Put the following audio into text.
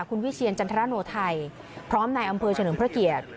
คุณวิเชียรจันทรโนไทยพร้อมในอำเภอเฉลิมพระเกียรติ